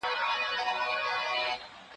لاس یې پورته د غریب طوطي پر سر کړ